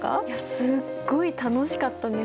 すっごい楽しかったです。